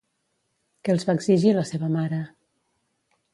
Què els va exigir la seva mare?